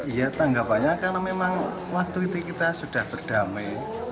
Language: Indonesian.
iya tanggapannya karena memang waktu itu kita sudah berdamai